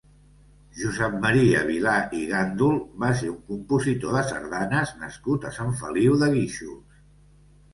Josep Maria Vilà i Gandol va ser un compositor de sardanes nascut a Sant Feliu de Guíxols.